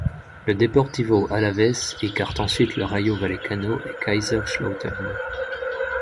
Le Deportivo Alavés écarte ensuite le Rayo Vallecano et Kaiserslautern.